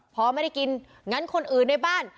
พอไม่ได้กินงั้นคนอื่นในบ้าน